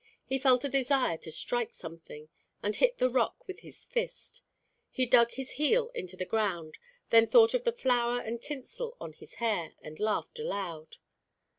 He felt a desire to strike something, and hit the rock with his fist. He dug his heel into the ground, then thought of the flour and tinsel on his hair, and laughed aloud.